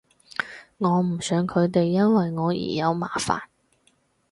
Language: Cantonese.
我唔想佢哋因為我而有麻煩